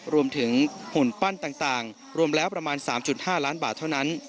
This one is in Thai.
หุ่นปั้นต่างรวมแล้วประมาณ๓๕ล้านบาทเท่านั้น